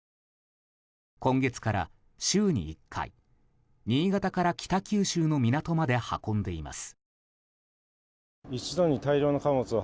今月から週に１回新潟から北九州の港まで運んでいます。